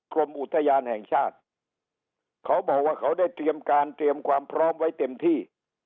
กรมอุทยานแห่งชาติเขาบอกว่าเขาได้เตรียมการเตรียมความพร้อมไว้เต็มที่